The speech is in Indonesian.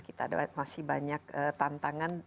kita masih banyak tampilan